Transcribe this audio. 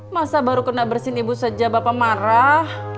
masa baru kena bersin ibu saja bapak marah